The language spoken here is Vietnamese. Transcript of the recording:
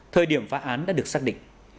thời điểm phá án đã được xác định